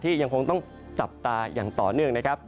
ยังคงต้องจับตาอย่างต่อเนื่องนะครับ